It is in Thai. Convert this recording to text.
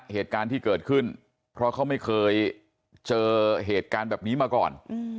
เหตุการณ์ที่เกิดขึ้นเพราะเขาไม่เคยเจอเหตุการณ์แบบนี้มาก่อน